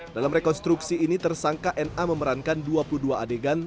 dalam rekonstruksi ini tersangka na memerankan dua puluh dua adegan